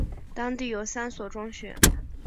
当地有三所中学。